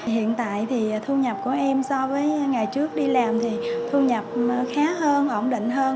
hiện tại thì thu nhập của em so với ngày trước đi làm thì thu nhập khá hơn ổn định hơn